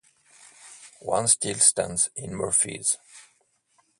One still stands in Murphys.